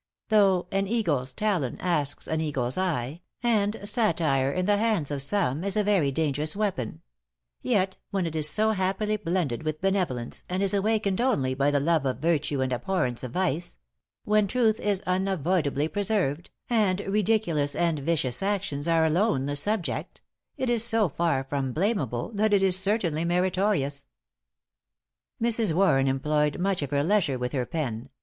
Though 'an eagle's talon asks an eagle's eye,' and satire in the hands of some is a very dangerous weapon; yet when it is so happily blended with benevolence, and is awakened only by the love of virtue and abhorrence of vice when truth is unavoidably preserved, and ridiculous and vicious actions are alone the subject, it is so far from blamable that it is certainly meritorious." Mrs. Warren employed much of her leisure with her pen.